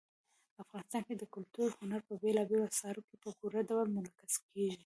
افغانستان کې کلتور د هنر په بېلابېلو اثارو کې په پوره ډول منعکس کېږي.